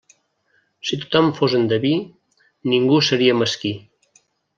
Si tothom fos endeví, ningú seria mesquí.